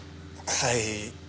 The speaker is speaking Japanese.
はい。